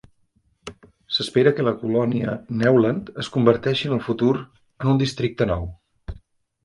S'espera que la colònia Neuland es converteixi en el futur en un districte nou.